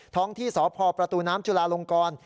ที่สพประตูน้ำจุลาลงกร